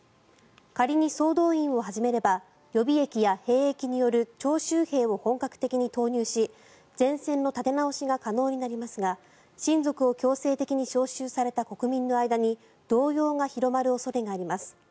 仮に総動員を始めれば予備役や兵役による徴集兵を本格的に投入し前線の立て直しが可能になりますが親族を強制的に招集された国民の間に動揺が広まる恐れがあります。